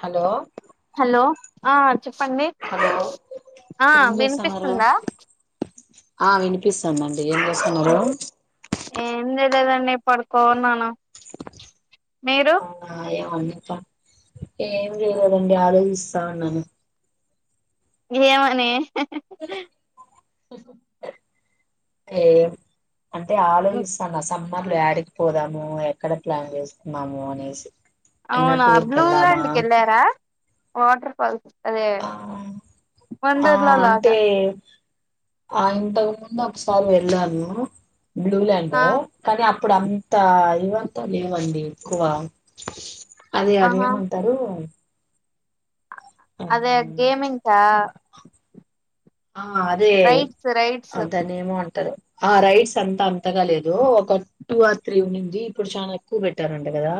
Hello hello ఆ చెప్పండి hello ఏం చేస్తున్నారు వినిపిస్తుందా ఆ వినిపిస్తుందిండి ఇ ఏం చేస్తున్నారు ఏదేదన్నన్ని పడుకోన్నాను మీరు అవునా ఏమండి ఏం చేయదండి ఆలో ఇస్తాన్నాను గేమనే ఏ అంటే ఆలోచిస్తాను స మళ్ల యాడికి పోదాము ఎక్కడ ప్లాన్ చేసుకున్నాము అనేసి ఎన్న అవునా టూర్ బ్లూ కెళ్దామా ల్యాండ్ కి వెళ్ళారా వాటర్ ఫాల్స్ అదే ఆ ఆ వండర్లా అంటే లాగా ఆ ఇంతకు ముందు ఒకసారి వెళ్ళాను. బ్లూల్యాండ్ ఆ కానీ అప్పుడు త్తా ఇవంత లేవండి ఎక్కువ అది అది ఆహా ఏమంతారు అదే గేమింగ్కా ఆ అదే రైడ్స్ రైడ్స్ దాన్ని ఏమో అంటారు. ఆ రైడ్స్ అంత అంతగా లేదు. ఒక టూ ఆర్ త్రీ ఉంది. ఇప్పుడు షాన ఎక్కువ పెట్టారంట కదా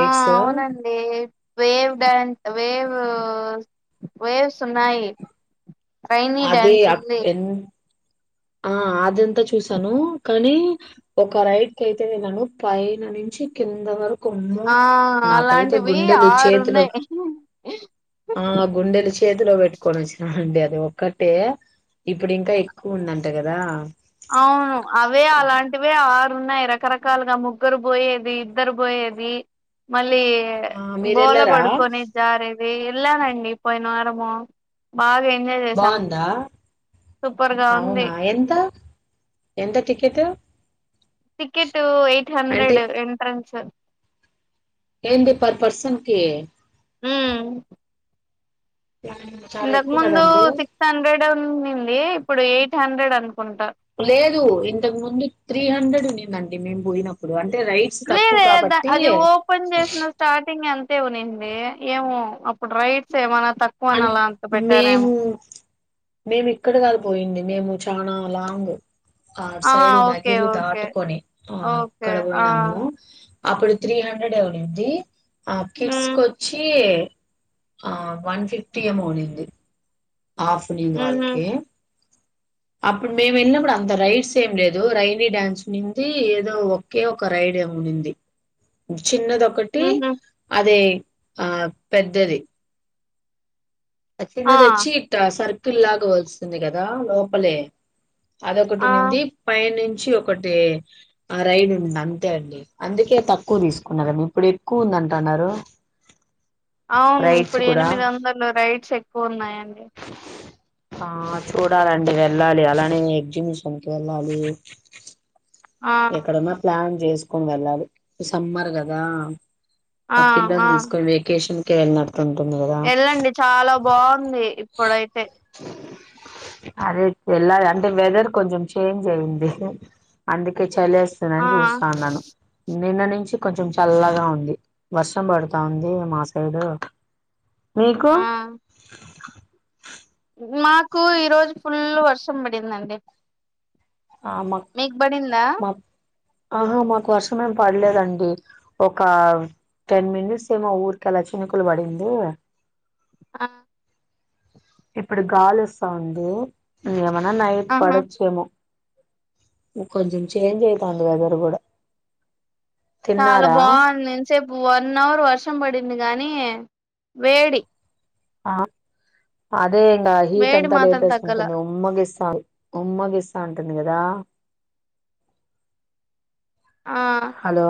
ఆ అవునండి వేవ్ డ్య వేవ్ ఆహ్ వేసున్నాయి. అది అక్ ఎన్ ఆ అదంతా చూసాను. కానీ ఒక రైడ్ కెయితే ఎలాను పైన నుంచి కింద వరకు. కుమ్మో. ఆ నాకైతే అలాంటివి గుండెలు ఆరు చేతిలో ఉన్నాయి ఆ గుండెలు చేతిలో పెట్టుకొని వచ్చిన అండి. అద్ దే ఒకటే ఇప్పుడు ఇంకా ఎక్కువ ఉంన్నది అంట కదా అవును అవే అలాంటివే ఆర్ ఉన్నాయి రకరకాలుగా ముగ్గురు పోయేవి, ఇద్దరు పోయేవి మళ్ ఏ ఆ బోర్లా మీరెళ్ళారా పడుకొని జారే నేన్ ఏల్లనండి పోయిన వారము. బాగా ఏం బాగుందా. సూపర్ గా ఉంది అవునా ఎంత ఎంత టికెట్ సికెట్ ఏయి ఎయిట్ అంటే హండ్రెడ్ ఎంట్రెన్స్ ఏంటి పర్ పర్సన్ కి ఉహ్ చాలా ఇందక్ ఎక్కువ ముందు కదండి సిక్స్ హండ్రెడే ఉండింది. ఇప్పుడు ఎయిట్ హండ్రెడ్ అనుకుంటా లేదు ఇంతకు ముందు త్రీ హండ్రెడ్ ఉండిందండి మేము పోయినప్పుడు. అం లేదే ద అది ఓపెన్ చేసిన స్టార్టింగ్ అంతే ఉనింది. ఏమో అప్పుడు రైడ్స్ ఏమనా అం తక్కువనలా అంత పెట్టారేమో మేము మేము ఇక్కడ కాదు పోయింది. మేము చానా లాంగ్ ఆ ఆహా సైడు ఓకే నగిలి ఓకే దాటుకొని. ఆ ఓకే. అక్కడ ఆ! పోయినము అప్పుడు త్రీ హండ్రెడ్ ఏ వునింది ఆ కిడ్స్ హ్మ్. కొచ్చి ఆ వన్ పిప్పి ఏమో ఉనింది హాఫ్ ఉనింది హుహు. వాళ్ళకి అప్పుడు మేము వెళ్ళినప్పుడు అంత రైడ్స్ ఏం లేదు రైైని డాన్స్ ఉనింది ఏదో ఒకే ఒక రైడ్ ఏ ఉనింది చిన్నదొకటి హుహు. అదే ఆ పెద్దది ఆ! చిన్నదొచ్చి ఇట్టా సర్ కిల్లాగా వస్తుంది కదా లోపలే ఆ! అదొకటునింది పైనిం చి ఒకటి ఆ రైడ్ ఉంది అంతే అండి అందుకే తక్కువ తీసుకున్నారేమో ఇప్పుడెక్కువ ఉంది అంటాన్నారు అవును ఇప్పుడు ఎనిమిదొందలు రైడ్స్ ఎక్ ఫోన్నాయండి ఆ చూడాలండి వెళ్ళాలి అలానే ఎగ్జిమిషన్కి వెళ్ళాలి ఆ! ఎక్కడన్నా ప్లాన్ చేసుకొని వెళ్ళాలి సమ్మర్ గదా మా పిల్లోల్లని తీసుకొని వెేకేషన్ కేర్న [inaudible] వెళ్ళండి చాలా బావుంది ఇప్పుడైతే అదే ఎల్లాలి అంటే వెదర్ కొంచం చేంజ్ అయింది అందు చలేస్తుందని ఆ! చూస్తా ఉన్నాను నిన్న నించి కొంచెం చల్లగా ఉంది వర్షం పడుతా ఉంది మా సైడు మీకు ఆ! మాకు ఈ రోజు ఫుల్లు వర్షం పడిందండి ఆ మా మీక్ బడిందా మా ఆహా మాకు వర్షం ఏం పడలేదండి ఒక టెన్ మినిట్స్ ఏమో ఊరికే అలా చినుకులు పడింది ఆ ఇప్పుడు గాలొస్తావుంది [unintelligible] [unintelligible] నైట్ ఆహా! పడచ్చేమో కొంచెం చేంజ్ ఐతాంది వెదర్ కూడా చాలా తిన్నారా బావుంది ఎంచేపు వన్ అవర్ వర్షం పడింది గాని వేడి ఆ అ అదే నా హీట్ వేడి అంతా మాత్రం తగ్గల. లేపేసుకుంటుంది మొదటి సారి ఉమ్మా విస్టా ఉంటది కదా. ఆ! హలో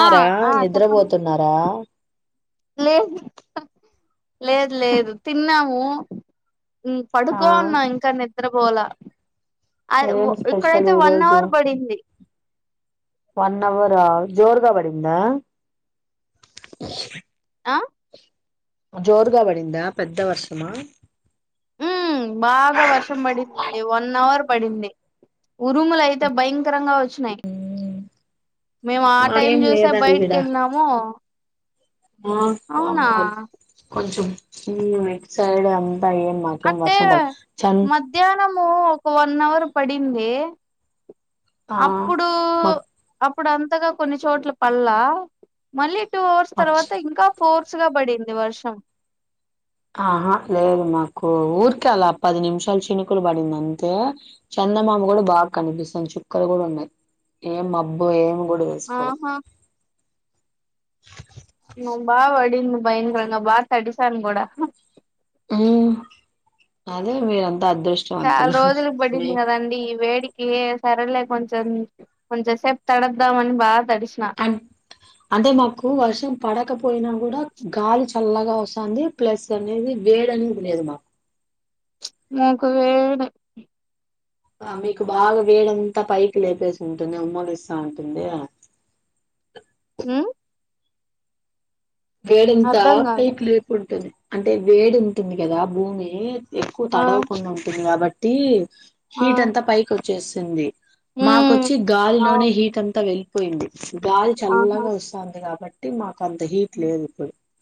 ఆ! ఆ! చెప్పండి. నిద్రపోతున్నారా? లేదు లేదు లేదు తిన్నాము ఈ ఆ పడుకో ఉన్నాం ఇంకా నిద్రపోల. ఆడ ఏం వో స్పెషల్ ఇక్కడైతే ఈ వన్ రోజు అవర్ పడింది. వన్ అవర్ ఆ జోర్గాబడింద? ఆ జోరుగాబడింద పెద్ద వర్షమ? ఉమ్ బాగా వర్షం పడిందండి వన్ అవర్ పడింది. ఉరుములయితే భయంకరంగా వ చానై మేము ఆ టైం మాకేం చూసే లేదండి బయటకి ఈడ వెళ్ళినాము ఆ అవునా [unintelligible] కొంచెం ఉహ్ నెక్స్ట్ శాటర్డే అవున్ అంటే మధ్యాహ్నము ఒక వన్ అవర్ పడింది. ఆ అప్పుడు మాక్ అప్ ఇప్పుడు అంతగా కొన్ని చోట్ల పల్లా మళ్ళీ టూ అవర్స్ మాక్ తర్వాత ఇంకా ఫోర్స్ గా పడింది వర్షం ఆహా లేదు మాకు ఆర్కే అలా పది నిమిషాలు సేప్ చినుకులు పడింది అంతే చందమామ కూడా బాగా కనిపిస్తుంది చుక్కలు కూడా ఉన్నాయి. ఏం మబ్బు ఏం బూడు వేసుకోల ఆహా నా బా వడింది భయంకరంగా బా తడిసం కూడా ఉహ్ అదే మీరంత్ చాలా రోజులు పడింది కదండి ఈ వేడి కే సరలే కొంచెం కొంచెం సేప్ తడద్దామని బ తడిసిన అం అంటే మాకు వర్షం పడకపోయినా కూడా గాలి చల్లగా వస్తుంది, ప్లస్ అనేది వేడనేది లేదు మాకు మాకు వేడి ఆ మీకు బాగా వేడంతా పైకి లేపేసి ఉంటుంది. ఉమ్మలు ఇస్తా ఉంటుంది. హమ్ వేడెంత అర్ధం కాలే పైకి లేపి ఉంటుంది. అంటే వేడి ఉంటుంది కదా భూమి ఎక్కువ ఆ తడవకుంట ఉంటాం కాబట్ ఆ హీట్ అంత పైకు చేసింది ఉమ్ మాకొచ్చి గాలిలోనే అవును హీట్ అంత వెళ్ పోయింది గాలి చల్లగా వస్తాంది కాబట్టి ట్టి మాకా అ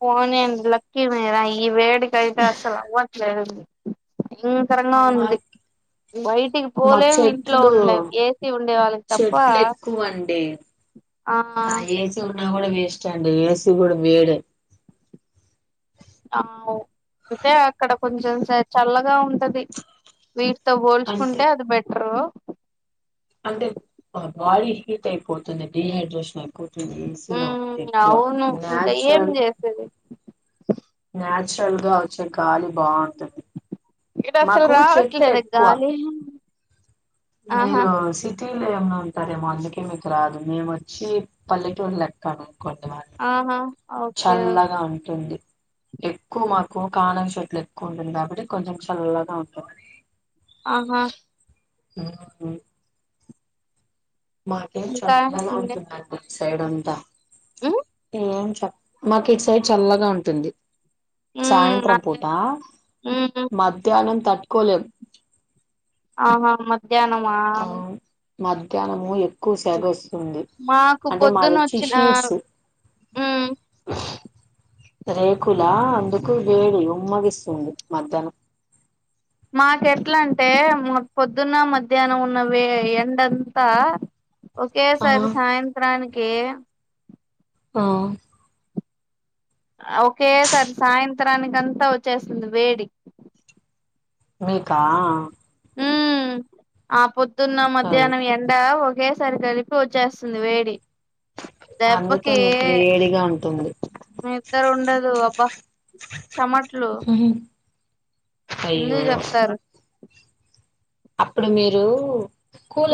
పోనీలేండి లక్కీ మీరాయి ఈ వేడికి కైతే అస్సలు అవ్వట్లేదు ఇంకరంగా మా ఉంది బయటికి మాకు పోలేము ఇంట్లో చెట్లు ఉండలేం ఏసీ ఉండే వాళ్ళకి తప్ప చెట్లు ఎక్కువ అండి ఆ ఏసీ ఉన్నా కూడా వేస్ట్ అండి ఏసి కూడా వేడే అ అంటె అక్కడ కొంచెం చల్లగా ఉంటది వీటితో అంతే పోల్చుకుంటే అది బెటరు అంటే బాడీ హీట్ అయిపోతుంది డిీహైడ్రేషన్ ఏసీలో ఉమ్ ఉంది ఎక్కువ అవును ఇంకా ఏం నాచురల్ చేసేది చలాగాచ్చ కాగాల బం ఇంట అసలు రావట్లేదు ఎక్కువ గాలి ఆహా మీరు సిటీ టీలు ఏమన్నా ఉంటారేమో మేము రాదు మేము వచ్చి పల్లెటూరు లో ఉంటాము ఆహా ఓకే ఓకే చల్లగా ఉంటుంది ఎక్కువ మాకు కనం చెట్లు ఎక్కువ ఉంటుంది కాబట్టి కొంచెం చల్లగా ఉంటుంది ఆహా ఆ మాకేం ఇంకా చల్లా ఇంగే ఉంటుందండి సైడ్ ఉంటాం ఉమ్ ఏ చెప్ప మాకు ఈ సైడ్ చల్లగా ఉంటుంది ఉమ్ సాయంత్రం అదే పూట ఉమ్ మధ్యాహ్నం తట్టుకోలేం ఆహా మ ధ్యానమా ఆ మధ్యాహ్నము ఎక్ కూసెగొస్తుంది మాకు అంటే మాది పొద్దున వోచేసి వచ్చిన షీట్స్ ఉమ్ రేకులా అందుకు వేడి ఉమ్మగిస్తుంది మధ్యానం మాకు ఎట్లా అంటే మొ పొద్దున్న మధ్యాహ్నం ఉన్న ఎండంత ఆ ఒకేసారి సాయంత్రానికి కే ఆ ఒకేసారి సాయంత్రానికి అంతా వచ్చేస్తుంది వేడి మీకా మ్మ్ ఆపొద్ దున్న అయ్ మధ్యాహ్నం ఎండా ఒ కేేసరి కలిపి వచ్చేస్తుంది వేడి అందుకే దెబ్బకీ మీకు వేడిగా ఉంటుంది నిద్దర ఉండదు అబ్బా చెమట్లు ఎందుకు అయ్యో చెప్తారు అప్పుడు మీరు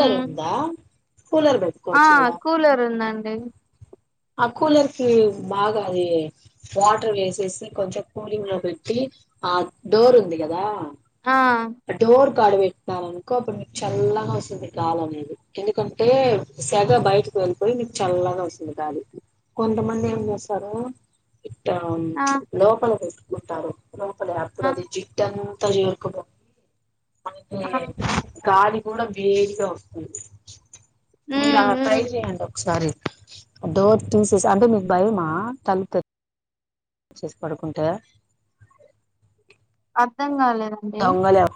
మ్మ్ ఆ కూలరు ఉందండి డి ఆ కూలర్ కి బాగా అది వాటర్ వేసేసి కొంచెం కూలింగ్ లో పెట్టి ఆ డోర్ ఉంది కదా ఆ అడ పెట్టినరానుకో అప్పుడు మీకు చల్లగా వస్తుంది గాలి అనేది ఎందుకంటే సెగ బయటకి వెళ్ళిపోయి మీకు చల్లగా వస్తుంది గాలి కొంతమంది ఏం చేస్తారు టౌన్ ఆ లోపల పెట్ టారు లోపలే అప్పుడు ఆ అది జిట్టన్ తరియుర్కుపో అందుకే ఆ గాలి కూడా వేడిగా వస్తుంది మీరు మ్మ్ అలా ట్రై మ్మ్ చెయండి ఒకసారి డోర్ తీసెస్ అంటే మీకు భయమా తలుపు తెర్ చేసి పడుకుంటే అర్థం కాలేదండి దొంగలు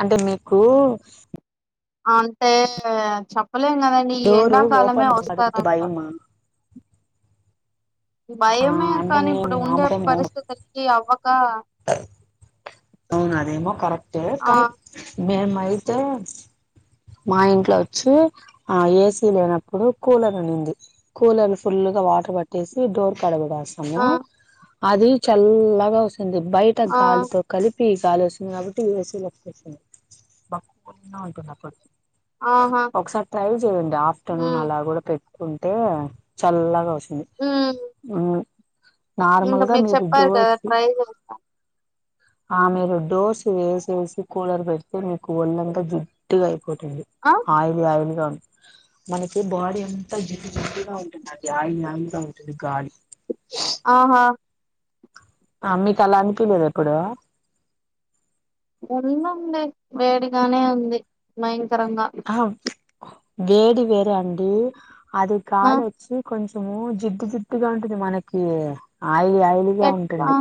అంటే మీకు అంటే చప్ చెప్పలేం కదండి ఈ డోరు ఎండాకాలమే ఓపెన్ పడుకుంటే వస్తారంట భయమా ఆ భయమే అంటే కానీ మేము ఇప్పుడు ఉండే మామటము పరిస్థితులకి అవ్వక అవును అదేమో కరెక్టే ఆ కానీ మేమయితే మా ఇంట్లో వచ్చి ఆ ఏ సీ లేనప్పుడు కూలర్ ఉన్నింది కూలర్ ఫుల్లుగా వాటర్ పట్టేసి డోర్ [unintelligible] మీద వేస్తాము ఆ అది చల్లగా వస్ స్తుంది బయట ఆ గాలితో ఫీ సాల్ వస్తుంది కాబట్టి ఏ సీ పట్టుకొచ్చిండు [unintelligible] ఉంటుంది అప్పుడు ఆహా ఒకసారి ట్రైల్ చేయండి ఆఫ్టర్నూన్ మ్మ్ అలా కూడా పెట్ కుంటే చల్లగా వస్ మ్మ్ మ్మ్ ఇంగ మీరు చెప్పారు కదా ట్రై చేస్తా ఆ మీరు డోర్స్ యేసేసీ కూలర్ పెడితే మీకు ఒళ్లంత జుమ్ ట్టుగ అయిపోతుంది ఆ ఆయిల్ ఆయిల్ గా ఉన్ మనకి బాడీ అంతా జిడ్డు జిడ్డు గా ఉంటుంది అండి ఆయిల్ అంతా ఉంటుంది గాలి ఆహా ఆ మీకు అలా అనిపీలేద ఎప్పుడు ఫుల్లు ఉంది వేడిగానే ఉంది మైం తరంగా ఆహా వేడి వేర అండి అది ఆ కాాల వచ్చి కొంచం ము జిడ్డు జిడ్డుగా ఉంటుంది మనకి ఆయిలీ ఆయిలిగా ఎట్లా ఉంటుంది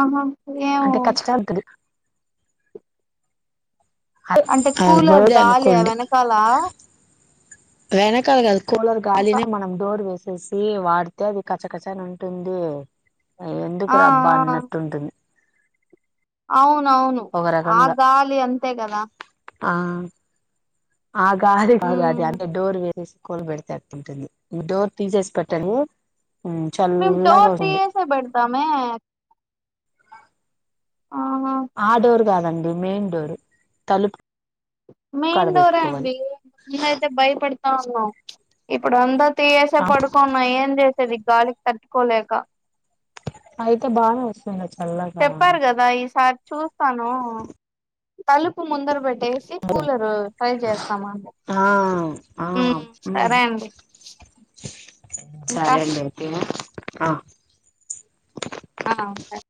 ఆహా ఏమో అంటే ఖచ్చిత అతుది అదే అంటే కూలర్ వేడి గాలియా వెనకాల వేనా కాల గ కూలర్ ఒక గాలిని మనం డోర్ వేస్త వచ్చేసి వాడితే అది కచ కచని ఉంటుంది ఎందుకు ఆ రబ్బా ఆ అన్నట్టుంటుంది అవునవును ఒక ఆ రకంగా గాలి అంతే కదా ఆ ఆగాది ఆగా అది ఉమ్ అంటే డోర్ వే కోలుబెడితే అక్తుంటుంది డోర్ తీసేసి పెట్టాను మేమ్ డోర్ తీయేసే పెడతామే ఆహా ఆ డోర్గా దండి మెయిన్ డోరు తలు మెయిన్ డోర అండి ఇన్నైయితే భయపడు ఇప్పుడు అంతా తీయేసే పడుకోన్నా ఏం చేసేది గాలికి తట్టుకోలేక అయితే బానే వ చెప్పారు గదా ఈ సా చూ తానో తలుపు ముందర బె ట్టేసి కూలరు ట్రై చేస్తామండి ఆ ఆ ఇంకా సరే అండి అయితే ఆ ఆ స